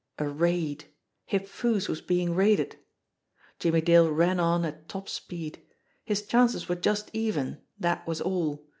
A raid! Hip Foo's was being raided. Jimmie Dale ran on at top speed. His chances were just even that was all.